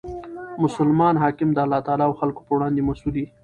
مسلمان حاکم د الله تعالی او خلکو په وړاندي مسئول يي.